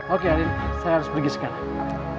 oke arin saya harus pergi sekarang